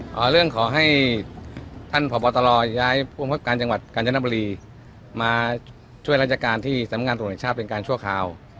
เรื่องขอให้ท่านพบตรย้ายผู้บังคับการจังหวัดกาญจนบุรีมาช่วยราชการที่สำงานตรวจแห่งชาติเป็นการชั่วคราว